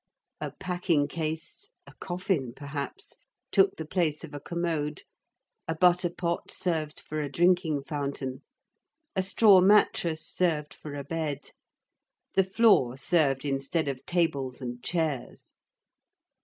A packing case—a coffin, perhaps—took the place of a commode, a butter pot served for a drinking fountain, a straw mattress served for a bed, the floor served instead of tables and chairs.